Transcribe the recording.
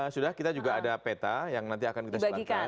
sudah kita juga ada peta yang nanti akan kita silakan